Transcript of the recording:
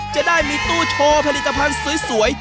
จะได้มีตู้โชว์ผลิตภัณฑ์สวย